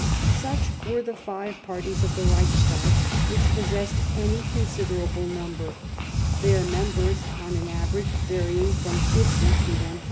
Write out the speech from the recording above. Such were the five parties of the Reichstag which possessed any considerable numbers, their members on an average varying from 50 to 100.